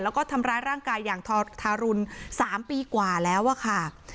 แล้วก็ทำร้ายร่างกายอย่างทารุณ๓ปีกว่าแล้วอะค่ะ